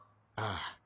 ああ。